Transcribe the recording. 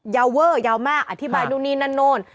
ยาวเวอร์ยาวมากอธิบายนู่นนี่นั่นนู่น